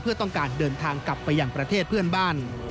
เพื่อต้องการเดินทางกลับไปยังประเทศเพื่อนบ้าน